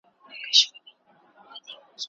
آيا جاسوس ځان وژنه کوي؟